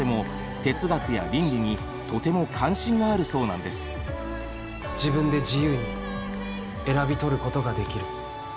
自分で自由に選び取ることができる。